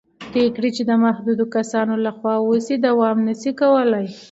پرېکړې چې د محدودو کسانو له خوا وشي دوام نه شي کولی